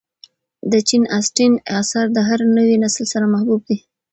د جین اسټن آثار د هر نوي نسل سره محبوب دي.